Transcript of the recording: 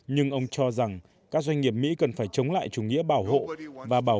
nhưng ông cho rằng các doanh nghiệp mỹ cần phải chống lại chủ nghĩa bảo hộ